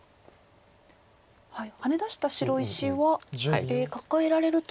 ハネ出した白石はカカえられると。